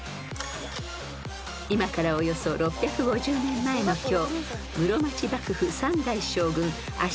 ［今からおよそ６５０年前の今日］